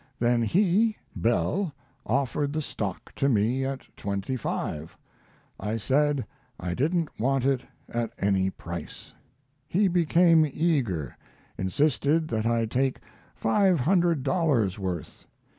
Then he offered the stock to me at twenty five. I said I didn't want it at any price. He became eager; insisted that I take five hundred dollars' worth.